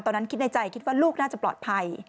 ในคิดในใจคิดว่าลูกน่าจะปลอดภัย